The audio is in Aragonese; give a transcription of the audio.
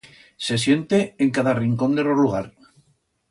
Se siente en cada rincón de ro lugar.